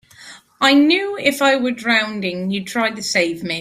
I knew if I were drowning you'd try to save me.